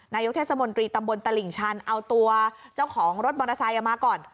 นายกเทศมนตรีตำบลตลิ่งชันเอาตัวเจ้าของรถมอเตอร์ไซค์มาก่อน